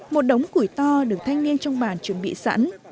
một đống củi to được thanh niên trong bàn chuẩn bị sẵn